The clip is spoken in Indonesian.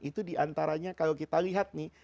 itu diantaranya kalau kita lihat nih